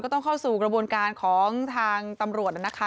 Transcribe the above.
ต้องเข้าสู่กระบวนการของทางตำรวจนะคะ